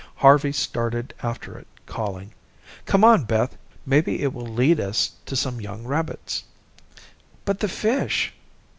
Harvey started after it calling: "Come on, Beth. Maybe it will lead us to some young rabbits." "But the fish."